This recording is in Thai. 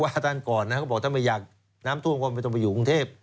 ว่าท่านก่อนนะก็บอกถ้าไม่อยากน้ำท่วมก็ไม่ต้องไปอยู่กรุงเทพ